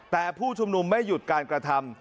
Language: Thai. แต่ผู้ชุมนุมไม่หยุดการกระทำ